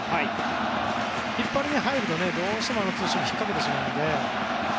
引っ張りに入ると、どうしてもツーシームを引っかけるので。